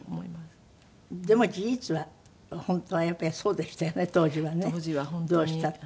でも事実は本当はやっぱりそうでしたよね当時はねどうしたって。